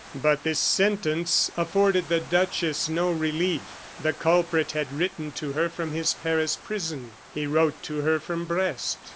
But this sentence afforded the duchess no relief. The culprit had written to her from his Paris prison; he wrote to her from Brest.